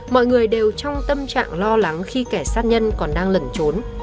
mọi người đều trong tâm trạng lo lắng khi kẻ sát nhân còn đang lẩn trốn